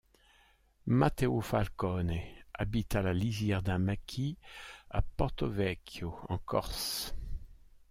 Mateo Falcone habite à la lisière d’un maquis à Porto-Vecchio, en Corse.